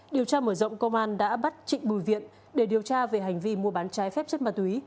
điều tra mở rộng công an đã bắt trịnh bùi viện để điều tra về hành vi mua bán trái phép chất ma túy